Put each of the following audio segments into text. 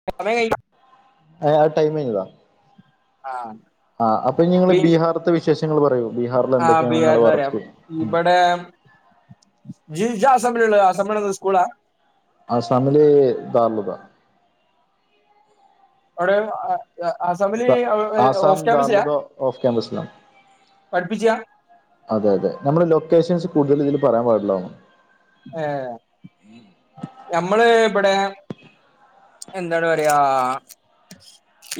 [unintelligible] അ എ ടൈം കഴിഞ്ഞതാ ആഹ് ആ അപ്പൊ ഇനി നിങ്ങൾ ബീഹാറ്ത്തെ വിശേഷങ്ങൾ പറയൂ ബീഹാറിൽ എന്തൊക്കെയാണ് നിങ്ങളെ വർക്ക് എം ജ്ജ് ജ്ജ് ആസാമിലുള്ളതാ ആസാമിലെ സ്കൂളാ ആസാമിൽ താലുക അവിടെ അ അസമില് ആസാം ഓഫ് ക്യാമ്പീസിലാ ദാർലുദ ഓഫ് ക്യാമ്പസിലാണ് പഠിപ്പിച്ച്യ അതെ അതെ നമ്മുടെ ലൊക്കേഷൻസ് കൂടുതൽ ഇതിൽ പറയാൻ പാടില്ലാന്ന്ണ് എ ഞമ്മള് ഇബടെ എന്താണ് പറയാ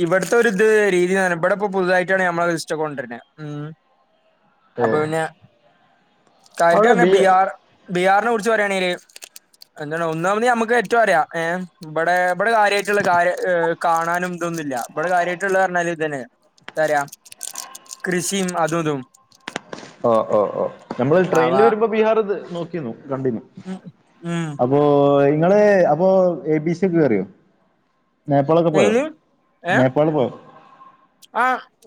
ഇവിടത്തെ ഒരു ഇത് രീതിന്ന് ഇവിടെ ഇപ്പോ പുതുതായിട്ടാണ് ഞമ്മളെ ഇഷ്ടൊക്കെ കൊണ്ടിരുന്നത് ഉം ഓ അപ്പൊ പിന്നെ കാര്യായിട്ട് അവിടെ പറഞ്ഞാ ബി ബിഹാർ ബീഹാറിനെ കുറിച്ച് പറയാണെങ്കില് എന്താണ് ഒന്നാമത് നമ്മക്ക് ഏറ്റവും അറിയാം ഏ ഇവിടെ ഇവിടെ കാര്യമായിട്ടുള്ള കാര്യ കാണാനും ഇതൊന്നുമില്ല ഇവിടെ കാര്യമായിട്ടുള്ള പറഞ്ഞാൽ ഇതെന്നെ എന്താ പറയാ കൃഷിയും അതുംതും ഓ ഓ നമ്മൾ ട്രെയിനിൽ ആവാ വരുമ്പോൾ ബീഹാർ ഇത് നോക്കിന്നു കണ്ടിന് ഉം ഉം അപ്പോ ഇങ്ങള് അപ്പോ എ ബി സിയൊക്കെ കേറിയോ നേപ്പാളൊക്കെ പോയോ ഏല് നേപ്പാൾ പോയോ? ആ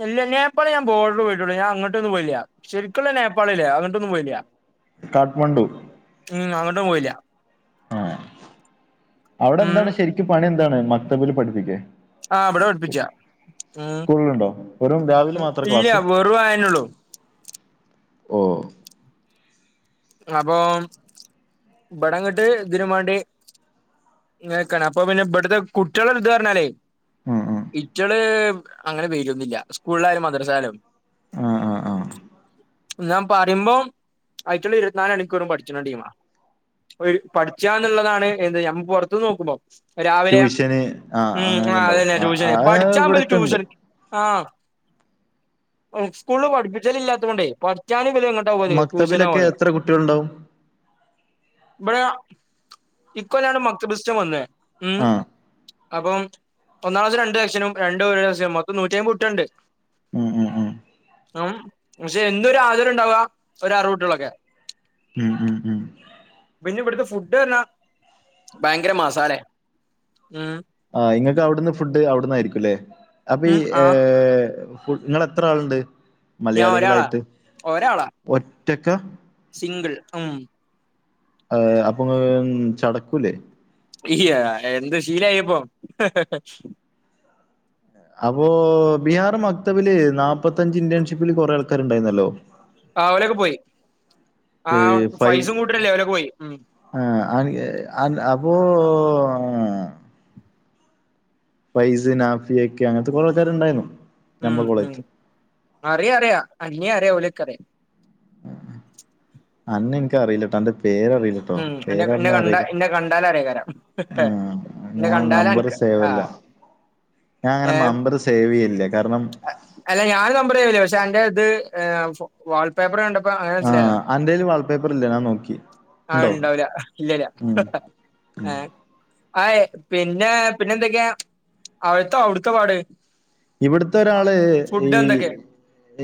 ഇല്ല നേപ്പാള് ഞാൻ ബോർഡർ പോയിട്ടുള്ളു ഞാൻ അങ്ങോട്ടൊന്നും പോയില്ല്യ ശരിക്കുള്ള നേപ്പാള് ലേ അങ്ങട്ടൊന്നും പോയില്ല. കാഠ്മണ്ഡൂ ഉം അങ്ങോട്ടും പോയില്ല ആ അവിടെ ഉം എന്താണ് ശരിക്കും പണി എന്താണ് മക്തബിൽ പഠിപ്പിക്കെ ആഹ് ഇവിടെ പഠിപ്പിച്ച ഉം സ്കൂള്ണ്ടോ വെറും രാവിലെ മാത്രേ ഇല്ല ക്ലാസ്? വെറും അയന്നള്ളൂ ഓഹ് അപ്പൊ ഇവ്ടങ്ങട്ട് ഇതിനും വേണ്ടി ങ്ങക്കാണ് അപ്പൊ പിന്നെ ഇവിടുത്തെ കുട്ടികള ഇത് ന്ന് പറഞ്ഞാല് ഉം ഉം ഇച്ചള് അങ്ങനെ പേരൊന്നില്ല സ്കൂളിലായാലും മദ്രസായാലും ആ ആ ആ ന്നാ പറിമ്പോ അയ്റ്റള് ഇര വറും പഠിച്ചണ ടീമാ ഒരു പഠിച്ചാന്നുള്ളതാണ് എന്ത് നമ്മക്ക് പൊറത്തു നോക്കുമ്പോ രാവിലെ ട്യൂഷന് ആ ഉം അങ്ങനെയൊക്കെ ആഹ് ഉണ്ടാവും അതന്നെ ആ ആ ട്യൂഷന് പഠിച്ചാ മ്പല് ഇവിടൊക്കെ ഉണ്ട് ട്യൂഷൻ ആ ഇസ്കൂളില് പഠിപ്പിച്ചല് ഇല്ലാത്ത കൊണ്ടേ ഞാന് പിന്നെങ്ങോട്ടാ പോല് ട്യൂഷനാ പോല് ട്ടികള്ണ്ടാവും ഇവിടെ ഇക്കൊല്ലാണ് മക്തബിസ്റ്റം വന്നെ ഉം ആ അപ്പം ഒന്നാമത്തെ രണ്ട് സെക്ഷനും രണ്ടും ഒരു സെഷനും മൊത്തം നൂറ്റിമ്പ കുട്ടികള്ണ്ട് ഉം ഉം ഉം ഉം പക്ഷെ എന്ത ഒരു ആജർ ഉണ്ടാവ ഒരു അറുകുട്ടികളൊക്കെ ഉം ഉം ഉം പിന്നെ ഇവിടുത്തെ ഫുഡ്ന്നാ ഭയങ്കര മസാലെ ഉം ആ നിങ്ങൾക്ക് അവിടുന്ന് ഫുഡ് അവിടുന്നയിരിക്കും അല്ലേ അപ്പൊ ഈ ഉം ആ ഏ നിങ്ങളെത്ര ആളുണ്ട് ഞാൻ ഒരാളാ മലയാളികളായിട്ട് ഒരാളാ ഒറ്റക്ക സിംഗിൾ ഉം അപ്പൊ ചടക്കൂല്ലേ ഇയ്യ എന്ത് ശീലയപ്പൊ അപ്പൊ ബിഹാർ മക്തവില് നാപത്തഞ്ച് ഇന്റേൺഷിപ്പില് കൊറേ ആൾക്കാര്ണ്ടായിരുന്നല്ലോ ആ അവലൊക്കെ പോയി ആ ഫൈസും കൂട്ടല്ലേ അവലൊക്കെ പോയി ആഹ അയി അ അപ്പോ ഫൈസൻ ആഫിയക്കെ അങ്ങനത്തെ കുറെ ആൾക്കാർ ഉണ്ടായിരുന്നു ഉം ഉം അറിയ അറിയാം അനിയെ അറിയ ഓലൊക്കെ അറിയാം അന്ന എനക്കറിയില്ലട്ടോ അന്റെ പേരറിയില്ല ഉം എന്നെ എന്നെ കണ്ട എന്നന്നെ കണ്ടാലും അറിയ രാം ആഹ് എന്നെ ഞാൻ നമ്പർ കണ്ടാലനക് ആ സേവല്ല [inaudible] ഞാൻ അങ്ങനെ നമ്പർ സേവ് ചെയ്യലില്ല കാരണം അല്ല ഞാൻ നമ്പർ ചെയൂല പക്ഷെ എന്റെ ഇത് വാൾപേപ്പർ കണ്ടപ്പ അങ്ങനെ മനസിലായതാ ആഹ് അന്റേൽ വാൾപേപ്പർ ഇല്ല ഞാൻ നോക്കി ആഹ ഉണ്ടോ ഉണ്ടാവൂല ഇല്ലല്ല ഉം ഉം എഹ് ഏ ആയി പിന്നെ പിന്നെ എന്തൊക്കെയാ അവിടുത്തെ അവിടുത്തെ പാട് ഇവിടത്തെ ഒരാള് ഈ ഫുഡ് എന്തൊക്കെ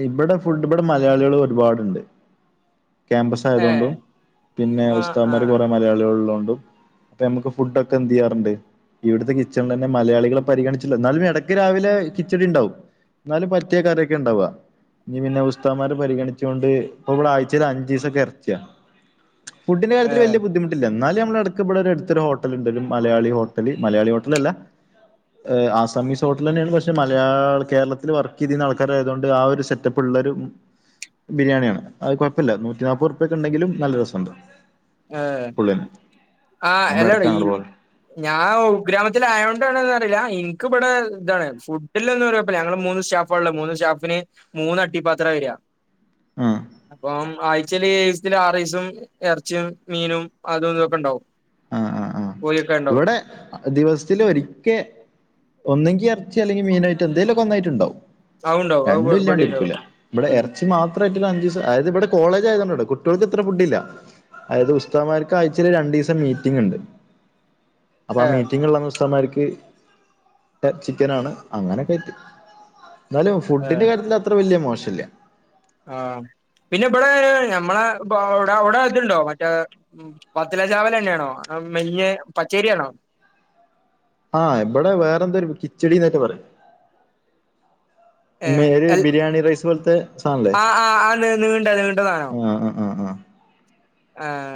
ഇവിടെ ഫുഡ് ഇവിടെ മലയാളികൾ ഒരുപാടുണ്ട് ക്യാമ്പസ് ഏഹ് ആയതോണ്ടും പിന്നെ ആഹ് ഉസ്താമ്മാര് ആഹ് കൊറെ മലയാളികള് ഉള്ളോണ്ടും അപ്പ നമുക്ക് ഫുഡൊക്കെ എന്ത് ചെയ്യാറുണ്ട് ഇവിടുത്തെ കിച്ചണ്ന്നെ മലയാളികളെ പരിഗണിച്ചില്ല എന്നാലും എടക്ക് രാവിലെ കിച്ചടി ഇണ്ടാവും എന്നാലും പറ്റിയ കറിയൊക്കെ ഇണ്ടാവാ ഇനി പിന്നെ ഉസ്താദ്മാരെ പരിഗണിച്ചുകൊണ്ട് ഇപ്പൊ ഇവിടെ ആഴ്ച്ചയിൽ അഞ്ചിസൊക്കെ ഇറച്ചിയാ ഫുഡിന്റെ കാര്യത്തില് ഏഹ് വല്ല്യ ബുദ്ധിമു ത്ത്ല്ല. ന്നാലും അമ്മളടക്ക് ഇവ്ടെ ഒരു അട്ത്തൊര് ഹോട്ടല്ണ്ട്. ഒര് മലയാളി ഹോട്ടല്. മലയാളി ഹോട്ടല് അല്ല. ഏ, ആസമീസ് ഹോട്ടലന്നേണ് ഫസ് ക്ഷെ മലയാള കേരളത്തില് വർക്ക് ചെയ്തിരുന്ന ആൾക്കാരെതൊണ്ട് ആ ഒരു സെറ്റപ്പ്ള്ളരു ബിരിയാണിയാണ്. അത് കൊഴപ്പല്ല. നൂറ്റിനാപ്പത് റുപ്പിയ ക്കണ്ടെങ്കിലും നല്ല രസണ്ട്. ഏ, ആ നമ്മുടെ എല്ലോടെ ഈ അടുക്കാണ് പോലെ ഞാൻ ഉൾ ഗ്രാമത്തിലാ യതോണ്ടാണോന്നറീല്ല. ഇൻക്ക് ഇബടെ താണ്. ഫുഡ് ഇല്ലല്ലപ്പ ഞങ്ങൾ മൂന്ന് സ്റ്റാഫാള്ള മൂന്ന് സ്റ്റാഫിന് മൂന്ന് അട്ടിപ്പാത്രം വരിക ആ അപ്പം ആഴ്ച്ചേല് സെത്തിന് ആറീസം എറ ച്ചും മീനും അതും തൊക്കെ ണ്ടാവും. ആ ആ ആ. ഇവ്ടെ ദിവസത്തില് ഒരിക്കെ ഒന്നെങ്കി എറച്ചി അല്ലെങ്കി മീയിനായിട്ട് എന്തേലൊക്കെ ഒന്നായിട്ട്ണ്ടാവും. അതുണ്ടാവും അത് ഇവിടെണ്ടാവും രണ്ടുല്ലാണ്ടിരിക്കൂല. ഇബ്ടെ ഉം എറച്ചി മാ ഇത്ര എര്ത്ത്ന്ന് അഞ്ചീസം അയായത് ഇവ്ടെ കോളേജായത് കൊണ്ടാട്ടോ. കുട്ടിയൊൾക്ക് ഇത്ര ഫുഡ്ല്ല. അതായത് ഉസ്താദ്മാർക്ക് ആയചെൽ രണ്ടീസം ലീ റ്റിങ്ങ്ണ്ട്. അപ്പ ആ ഏഹ് മീറ്റിംഗ്ള്ളന്ന് ഉസ്താദ്മാർക്ക് എ ചിക്കനാണ്. അങ്ങനൊക്കെ [unintelligible] ന്നാലും ഫുഡിന്റെ കാര്യത്തില ത്ര വലിയ മോശല്ല ആ. പിന്നെ ബടേ ഞമ്മളെ ഗോഡൗണ്‌ ത്‌ണ്ടോ. മറ്റേ. വത്തല ചാവലന്നെ ആണോ? അതോ മെൽഞ്ഞ പച്ചേരിയാണോ? ആ, ഇബടെ വേറെന്തൊരു കിച്ചിടി ന്നേറ്റെ പറിം. [inaudible] ഏ ഒരു അൽ ബിരിയാണി റൈസ് പോലത്തെ സാധനല്ലേ ആ ആ ആ നീ നീണ്ട നീണ്ട സാനം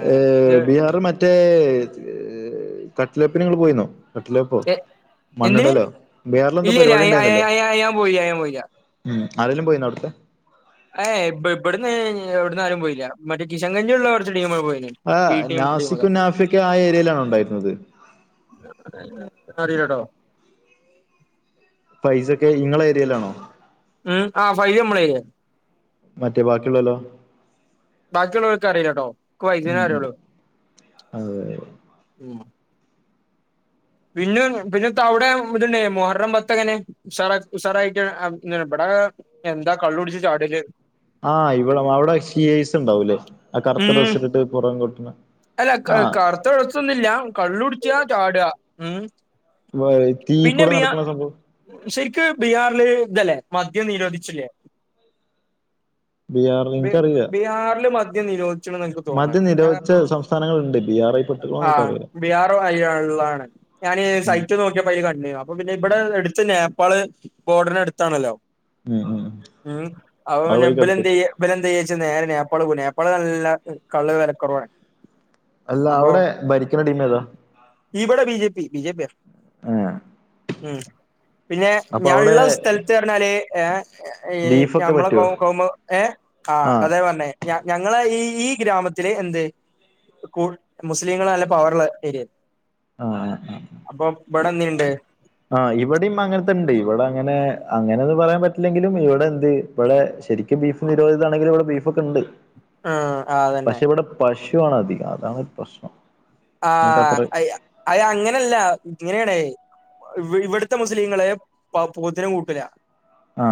ഏ. ബീഹാറ്ല് മറ്റേ കട്ടിലപ്പിനിങ്ങള് പോയിന്നോ? കട്ട്ലപ്പോ എന്തിന് മണ്ണ്ടലോ. ബീഹാറിലെന്തോ ഇല്ല ഇല്ല പരിപാടിണ്ടായിരുന്നല്ലോ. ഞാൻ പോയില്ല ഞാൻ പോയില്ല ഉം. ആരേലും പോയിനോ അവ്ടുത്തെ. ഏ ഇ ഇബ്ട്ന്ന് എവിടന്ന് ആയാലും പോയില്ല മറ്റേ കിഷൻകഞ്ചി ഉള്ള കുറച്ച് ടീം പോയിനീ ആ പി നാസിക്കും നാഫിക്കു ആ ഏരിയയിലാണോ ണ്ടായിരുന്നത്? [unintelligible] അറീലട്ടോ. പൈസട്ടിയ ഇങ്ങളെ ഏരിയയിലാണോ? ഉം. ആ. ഫൈ [unintelligible] മ്മളേ മറ്റേ ബാക്കിയുള്ളോലോ? ബാക്കിയുള്ളവർക്ക് അറിയിലട്ടോ. ക്ക്‌ ഉം വൈദ്യേരേ ഉം അറിയള്ളു. അതെ ഉം. പിന്ന് പിന്നെ ത അവിടെ ഇതുണ്ടേ മൊഹർം പത്തങ്ങനെ? ഉസാറ ഉസാറായിറ്റ് അം [unintelligible] ഇബടേ എന്താ കള്ള് കുടിച് ചാടെല് ആഹ്, ഇവിടെ അവിടെ സി ഐസ് ഉണ്ടാവുല്ലേ. ആ കറുത്ത ഉം ഡ്രസ് ഇട്ടിട്ട് പൊറംറം കൊട്ട്ണ. അല്ല ക കറ്ത്ത ഡ്രെസ്സൊന്നുല്ല. കള്ളുട്ച്ച. ചാട്അ. ഉം വാ, തീ പിന്നെ കൂടെ ബിയാ നടക്ക്ണ സംഭവം. ശരിക്ക് ബീഹാറില് ഇതല്ലേ മദ്യം നിരോധിച്ചില്ലേ? ബീഹാറിൽ ബി എനിക്കറിയില്ല ബീഹാറില് മദ്യം നിരോധിച്ക്ക്ണ്ന്ന് അനക്ക് തോന്നുട ഞാൻ സ്ഥാനങ്ങളൾണ്ട് ബി ആർ ആ, ബീഹാറൊ അയ [unintelligible] ള്ളാണ്. ഞാന് ഉം സൈറ്റ് നോ [unintelligible] പ അയില് കണ്ട്. അപ്പ പിന്നെ ഇബ്ടെ എട്ത്തന്നെ നേപ്പാള് ബോർഡറ് അട്ത്താണല്ലോ. ഉം ഉം ഉം. അത് അവവിന്നെ വഴിക്കടുത്ത് ബെല്ന്തയ്യ? പിന്നെ എന്ത്ച്ച നേരെ നേപ്പാൾ നേപ്പാൾ കണ്ടിട്ടില്ലല്ലോ കള്ള് വിലക്കുറവാണ് അല്ല, അവ്ടെ ഭരിക്ക്ണ ടീമ് ഏതാ? ഈവിടെ ബീ. ജെപി. ബി. ജെ. പിയ ഏ ഉം. പിന്നെ അപ്പൊ അവിടെ ഞാൻള്ള സ്ഥലത്ത് അറഞ്ഞാല് ഏ ഈ ബീഫൊക്കെ നമ്മളെ കോ പറ്റുവോ കോമ്പ ഏ ആഹ് ആ അതെ പറഞ്ഞെ ഞ ഞങ്ങളെ ഈ ഈ ഗ്രാമത്തില് എന്ത് കു മുസ്ലിങ്ങൾ നല്ല പവറ്ള്ള ഏരിയ ആ ആ അപ്പൊ ഇവിടെ എന്ത്ണ്ട് ആഹ് ഇവിടെയും അങ്ങനത്തെ ഇണ്ട് ആ ഇവിടെ അങ്ങനെ അങ്ങനെന്ന് പറയാൻ പറ്റില്ലെങ്കിലും ഇവിടെ എന്ത് ഇവിടെ ശരിക്കും ബീഫ് നിരോധിതമാണെങ്കും ഇവിടെ ബീഫൊക്കെണ്ട് ആഹ് അതന്നെ പക്ഷെ ഇവിടെ പശ്വാണ് അധികം അതാണ് പ്രശ്നം എനിക്ക് ആഹ് അത്ര അയ് അയ് അങ്ങനല്ല ഇങ്ങനെയാണേ ഇവിടുത്തെ മുസ്ലിങ്ങളെ പ പോത്തിനെ കൂട്ടൂല ആ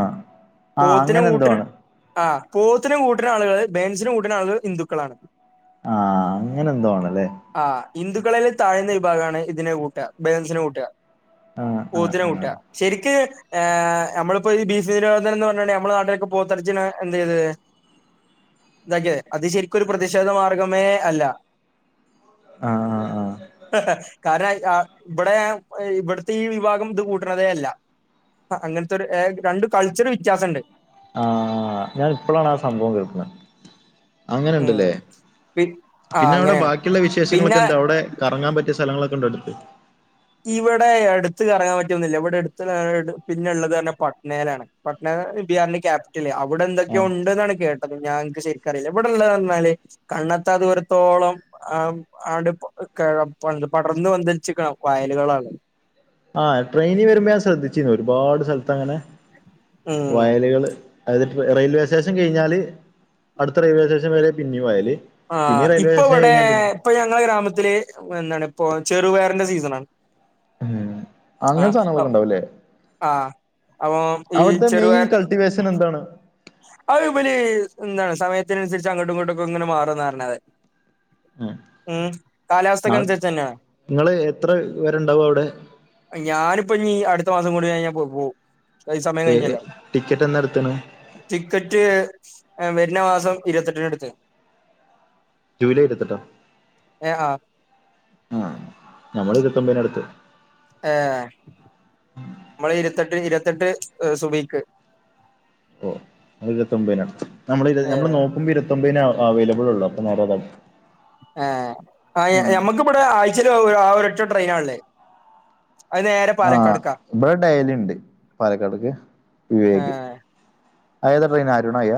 ആ പോത്തിന അങ്ങനെ എന്തോ ഊട്ടിന് ആണ് ആഹ് പോത്തിനു കൂട്ടിന ആളുകള് ബേൻസിനും കൂട്ട്ണ ആളുകൾ ഹിന്ദുക്കളാണ് ആഹ് അങ്ങനെന്തോ ആണല്ലേ ആഹ് ഹിന്ദുക്കളെ താഴ്ന്ന വിഭാഗമാണ് ഇതിനെ കൂട്ട ബേദൻസിനെ കൂട്ട ആ ആ പോത്തിനെ ആ കൂട്ട ശെരിക്ക് ഏഹ് നമ്മളിപ്പോ ഈ ബീഫ് നിരോധന എന്ന് പറഞ്ഞെ നമ്മളെ നാട്ടിലൊക്കെ പോത്തെരച്ചി എന്ത് ചെയ്ത് ഇതക്കെ അത് ശരിക്കൊരു പ്രതിഷേധ മാർഗമേ അല്ല ആഹ് കാരണ ഇവിടെ ഇവിടുത്തെ ഈ വിഭാഗം ഇത് കൂട്ടണതേ അല്ല ആഹ് അങ്ങൻത്തൊരു ഏ രണ്ട് കൾച്ചർ വ്യത്യാസംണ്ട് ആഹ് ഞാൻ ഇപ്പളാണ് ആഹ് സംഭവം കേൾക്കുന്നത് അങ്ങനെണ്ട്ല്ലേ ഉം. പി- ആ പിന്നെ അവിടെ അങ്ങനെയാണ്. ബാക്കിയുള്ള വിശേഷങ്ങളൊക്കെ പിന്നെ എന്താ അവിടെ കറങ്ങാൻ പറ്റിയ സ്ഥലങ്ങളൊക്കെ ഉണ്ട അടുത്ത് ഇവിടെ അടുത്ത് കറങ്ങാൻ പറ്റൊന്നില്ല ഇവിടെ അടുത്ത പിന്നെള്ളത് പറഞ്ഞ പട്നയിലാണ് പട്ന ബിഹാറിന്റെ ക്യാപിറ്റല് അവിടെ എന്തൊക്കോ ആഹ് ണ്ടെന്നാണ് കേട്ടത് ഞാൻക്ക് ശരിക്കറിയില്ല ഇവിടെള്ളേന്നർഞ്ഞാല് കണ്ണെത്താ ദൂരത്തോളം അ ആട് കേഴം പടർന്ന് പന്തലിച്ചിക്കണം വയലുകളാണ് ആഹ് ട്രെയിനി വരുമ്പോ ഞാൻ ശ്രദ്ധിച്ചിന്നു ഒരുപാട് സ്ഥലത്ത് അങ്ങനെ ഉം വയലുകള് അത് റെയിൽവേ സ്റ്റേഷൻ കഴിഞ്ഞാല് അടുത്ത റെയിൽവേ സ്റ്റേഷൻ വരെ പിന്നേം വയല് പിന്നെ ആഹ് റെയിൽവേ ഇപ്പ സ്റ്റേഷൻ ഇവിടെ കഴിഞ്ഞാ പിന്നെ ഇപ്പൊ ഞങ്ങള ഗ്രാമത്തില് എന്താണ് ഇപ്പൊ ചെറുപയറിന്റെ സീസണാണ്ട് ഉം അ അങ്ങനത്തെ ഔ സാധനങ്ങളൊക്കെ ഉണ്ടാവുംല്ലേ ആഹ് അപ്പൊ ഈ ചെറപയറ് ഇ വേഷനെന്താണ്? അഅ്പലി എന്താണ് സമയത്തിനനുസരിച്ച് അങ്ങോട്ടു ഇങ്ങോട്ടൊക്കെ ഇങ്ങനെ മാറുംന്നറഞ്ഞത് ഉം ഉം കാലാവസ്ഥക്കനുസരിച്ചന്നെ ങ്ങള് എത്ര വരുണ്ടാവും അവിടെ ഞാനിപ്പോ ഇനി അടുത്ത മാസം കൂടി കയിഞാ പോ പോവും ഈ സമയം ഏഹ് കഴിഞ്ഞല്ലോ ടിക്കറ്റ് എന്നാ എടുത്ത്ണ് ടിക്കറ്റ് വരുന്ന മാസം ഇരുപത്തെട്ടിനെടുത്ത് ജൂലൈ ഇരുവത്തെട്ടോ ഏ ആ ആഹ് ഞമ്മള് ഇരുപത്തൊമ്പനടുത്തു ഏഹ് മ്മള് ഇരുവത്തെട്ട് ഇരുവത്തെട്ട് സുബീക്ക് ഒ അത് ഇരുപത്തൊമ്പതിനാ നമ്മള് ഏ നമ്മള് നോക്കുമ്പോ ഇരുത്തൊമ്പതിനാ അവൈലബിൾ ഉള്ളു അപ്പൊ [unintelligible] ഏഹ് ആഹ് ഉം ഞമ്മക്കിബടെ ആഴ്ച ല് ആ ഒരറ്റ ട്രെയിനാള്ളെ ആഹ് ഇവിടെ ഡയലിണ്ട് പാലക്കാട്ക്ക് ഏ വിവേക് അതേതാ ട്രയിനരുണയ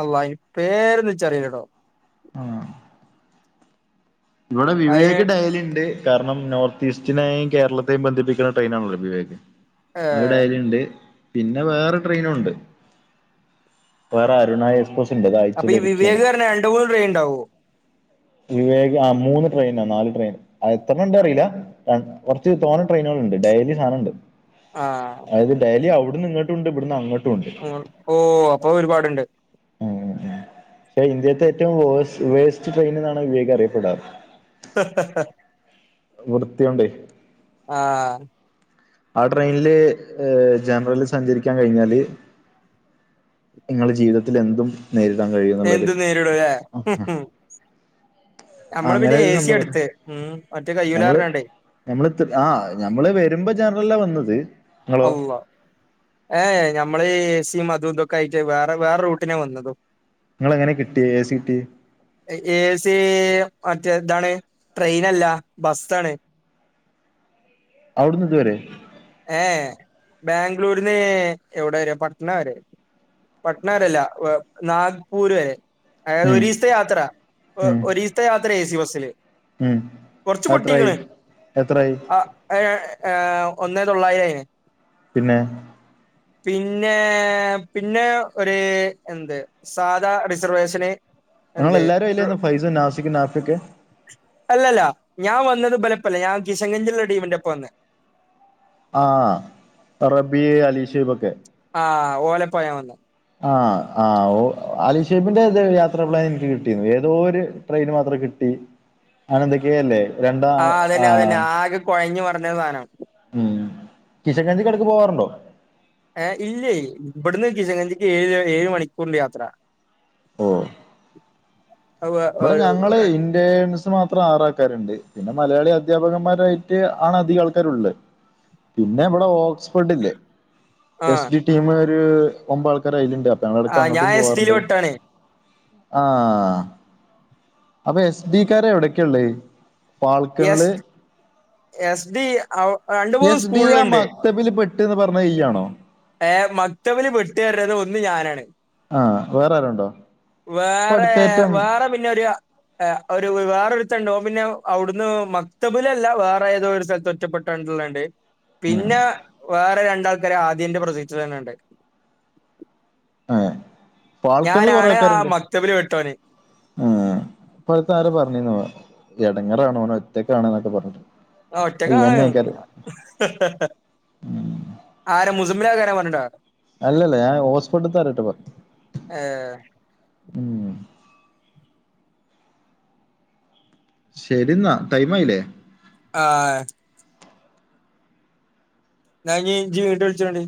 അല്ലാഹ് ഈ പേരന്നുൻച്ചറില്ലടോ ആഹ് ഇവിടെ അയിന് വിവേക് ഡയലിണ്ട് കാരണം നോർത്ത് ഈസ്റ്റിനെയും കേരളത്തെയും ബന്ധിപ്പിക്കുന്ന ടെയിനാണല്ലോ വിവേക് ഏ ഡെയ്ലിണ്ട് പിന്നെ വേറെ ട്രെയിനുണ്ട് വേറെ അരുണ എക്സ്പ്ര അപ്പൊ ഈ വിവേക്ന്നർഞ്ഞ രണ്ട് മൂന്ന് ട്രയിൻണ്ടാവോ? വിവേക് ആഹ് മൂന്ന് ട്രെയിനാ നാല് ട്രെയിൻ ആഹ് എത്രണംണ്ട്അറീല രം കൊർച്ച് തോന്നെ ട്രെയിനാള്ണ്ട് ഡെയ്ലി സാനണ്ട്. ആ അയ്ത് ഡെയ്ലി അവ്ട്ന്ന് ഇങ്ങട്ടുണ്ട് ഇവട്ന്ന് അങ്ങ ഉം ഓ അപ്പൊ ഒരുപാടുണ്ട്. ഉം യേ ഇന്ത്യേത്തെ ഏറ്റും വോയ്സ് വേസ്റ്റ് ട്രെയ്ന്ന്നാണ് വിവേകറിയപ്പെടാറ്. ഹ ഹ ഹ വൃത്തിയുണ്ടേ ആഹ് ആ ട്രെയ്ന്ല് ഹ് ജനറൽല് സഞ്ചരിക്കാൻ കഴിഞ്ഞാല് നിങ്ങള് ജീവിതത്തിൽ എന്തും നേരിടാൻ കഴിയും ന്ന്ള്ളൊരു എന്തും നേരിടും ഉം ഉം അല്ലേ നമ്മള് പിന്നെ ഒരു ഏ സി സംഭവം എടുത്ത് ഉം മറ്റേകയ്യൂ ലാർഞ്ഞ്കാണ്ട്. നമ്മൾ ഇത് ആഹ് ഞമ്മള് വരുമ്പോ ജനറൽലാ വന്നത് നിങ്ങളോ അളളാഹ് ഏയേ നമ്മള് ഏ സിം അതൂം തൊക്കെ ആയിട്ട് വേറെ വേറെ റൂട്ടിനാ വന്നതും. ങ്ങൾ എങ്ങനെ കിട്ടി എ സി കിട്ടി? എ സി മറ്റേതാണ് ട്രെയിനല്ല, ബസ്സാണ്. അവിട്ന്ന് ത് വരെ. ഏയേ ബാംഗ്ലൂര്ന്ന് എവിടെരെ പട്ട്ണ വരെ. പട്നെരല്ല വഹ് നാഗ്പൂര് വരെ. അതാത് ഉം ഒരീസ്ത്തെ യാത്ര ഒ ഉം ഒരീസ്ത്തെ യാത്ര ഏ സി ബസ്സില്. ഉം കൊർച്ച് പൊട്ടീക്ണ്ണ അതെത്രായി എത്രായി ആഹ് ഏ ഏ ഒന്നേതൊള്ളായിരേര്ന് പിന്നെ. പിന്നേ പിന്നെ ഒരു എന്ത് സാധാ റിസർവേഷന് ങ്ങൾ എന്ത് എല്ലാരും അയ്ലേന്ന് ഫൈസ് നാസിക് നാഫിക്ക്. അല്ലല്ല ഞാവന്നത് ഇബലപ്പല്ല ഞാൻ കിഷൻഗഞിള്ള ടീമിന്റൊപ്പാവന്നത്. ആഹ് റബിഹ് അലിഷൈ ബൊക്കെ. ആഹ് ഓലപ്പാഞാവന്ന്. ആഹ് ആഹ്ഒ അലിഷൈബിന്റെ യാത്ര പ്ലാൻ എനിക്ക് കിട്ടീന് ഏതോ ഒരു ട്രെയിന് മാത്രം കിട്ടി അങ്ങനെ ന്തൊക്കേയല്ലേ രണ്ടാ ആഹ് കൊഴ്ഞ്ഞ് മറിഞ്ഞ്സാനം. ഉം കിഷൻഗഞ്ജിക്കെട്ക്ക് പോവാറുണ്ടോ? ഏയ് ഇല്ലേയ് ഇവട്ന്ന് കിഷംഗഞ്ജി ക്ക് ഏഴ് ഏഴ് മണിക്കൂറ്ണ്ട് യാത്ര. ഓഹ് ഇപടെ ഞങ്ങളേം ൻസ് മാത്രം ആറ് ആൾക്കാര്ണ്ട്. പിന്നെ മലയാളി അധ്യാപകന്മാരായിട്ട് ആണ് അധികംആൾക്കാരുള്ള്. പിന്നെ ഇവടെ ഓക്സ്ഫോർഡില്ലേ എസ് ആഹ് ഡി ടീമ് ഒരു ഒമ്പത് ആൾക്കാര്അയ്ല്ണ്ട്. ങ്ങളട്ക്ക് ആഹ് ഞാൻ അങ്ങട്ടും എസ് ടിയിൽ പോവാറുണ്ട് പെട്ടാണ് ആഹ് അപ്പൊ എസ് ഡിക്കാര്എവിടൊക്കെള്ളേ? എസ് എസ് ഡി അവ് അ എസ് ഡി ആ മക്തബിൽ പെട്ട്ന്ന് പറഞ്ഞ് ഇയ്യാണോ? ഏഹ് മക്തബിൽ പെട്ട്അർഞ്ഞത്ഒന്ന് ഞാനാണ്. ആഹ് വേറെ ആരേംണ്ടോ? വേറേ വേറെ പിന്നൊരു അ അ് ഒരു വേറൊരുത്തൻണ്ട്. ഓപിന്നെ അവ്ടുന്ന് മക്തബിലല്ല വേറെതോ ഒരു സ്ഥലത്ത് ഒറ്റപ്പെട്ട് ല്ണ്ട് ഉം പിന്നെ വേറെ രണ്ടാൾക്കാര് ആദ്യന്റെ പ്രൊസിക്റ്റിലെന്നെണ്ട്. ഏഹ് ഫാൾക്കണില് ഞാനാണ് ആ മക്തബിൽ പെട്ടോന്. ഉം പ്പത്ത് ആരോ പർഞ്ഞീന് എടങ്ങേറാണ് ഓന് ഒറ്റക്കാണ്ന്നൊക്കെ പറഞ്ഞി ആ ഒറ്റക്കാണ് ആരെ മുസബിൽ കാരെ പറ ഞ്ഞിട. അല്ലല്ല ഞാൻ ഓസ്പോടുത്താറിട്ട്പോ ഏഹ് ശരി ന്നാ ടൈം ആ യിലെ ആഹ്‌ ഞനീ ജ് ഇങ്ങോട്ട് വിളിച്ചോടി